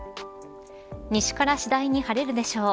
西から次第に晴れるでしょう。